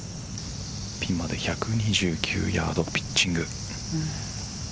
ピンまで１２９ヤードピッチング。